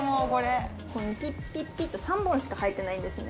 ピッピッピッと３本しか生えてないんですね。